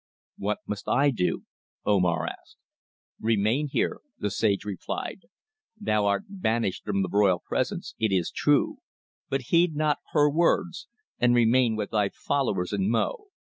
"What must I do?" Omar asked. "Remain here," the sage replied. "Thou art banished from the royal presence, it is true, but heed not her words, and remain with thy followers in Mo.